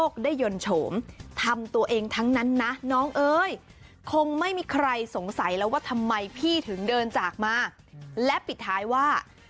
คงไม่มีใครสงสัยแล้วว่าทำไมพี่ถึงเดินจากมาและปิดท้ายว่า